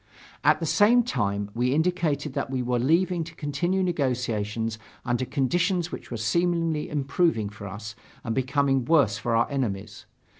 At the same time, we indicated that we were leaving to continue negotiations under conditions which were seemingly improving for us and becoming worse for our enemies.